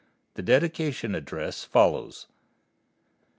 The dedication address follows.